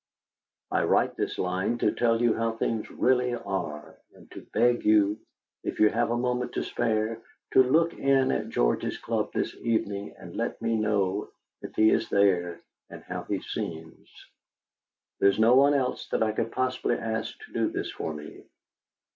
I write this line to tell you how things really are, and to beg you, if you have a moment to spare, to look in at George's club this evening and let me know if he is there and how he seems. There is no one else that I could possibly ask to do this for me.